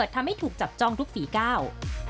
ทำให้ถูกจับจ้องทุกฝีก้าว